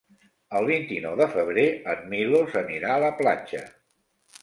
El vint-i-nou de febrer en Milos anirà a la platja.